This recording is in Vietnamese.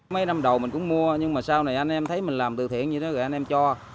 mấy năm đầu mình cũng mua nhưng mà sau này anh em thấy mình làm từ thiện như thế rồi anh em cho